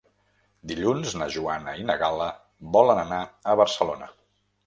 Dilluns na Joana i na Gal·la volen anar a Barcelona.